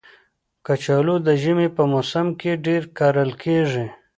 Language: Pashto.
کچالو د ژمي په موسم کې ډېر کرل کېږي